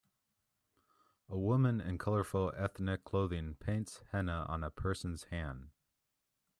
A woman in colorful ethnic clothing paints henna on a person 's hand.